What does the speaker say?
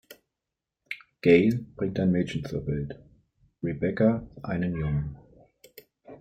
Gail bringt ein Mädchen zur Welt, Rebecca einen Jungen.